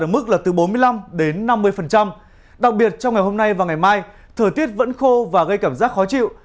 nhiệt độ có thể xuống dưới mức là từ bốn mươi năm đến năm mươi đặc biệt trong ngày hôm nay và ngày mai thời tiết vẫn khô và gây cảm giác khó chịu